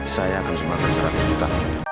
saya akan semakin seratus juta